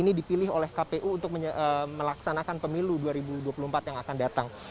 ini dipilih oleh kpu untuk melaksanakan pemilu dua ribu dua puluh empat yang akan datang